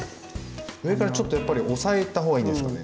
上からちょっとやっぱり押さえた方がいいんですかね？